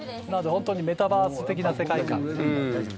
本当にメタバース的な世界観で。